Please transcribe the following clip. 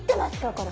これ。